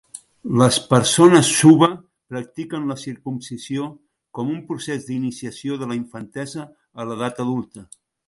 Les persones Suba practiquen la circumcisió com un procés d"iniciació de la infantesa a l"edat adulta.